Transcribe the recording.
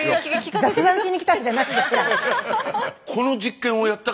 雑談しに来たんじゃないんですから。